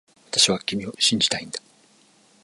私は君を信じたいんだ